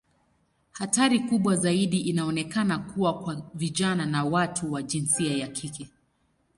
Hatari kubwa zaidi inaonekana kuwa kwa vijana na watu wa jinsia ya kike.